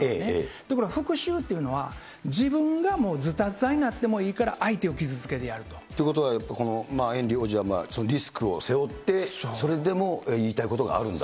ところが復しゅうというのは、自分がもうずたずたになってもいいから、相手を傷つけてやると。ということは、ヘンリー王子はリスクを背負って、それでも言いたいことがあるんだと。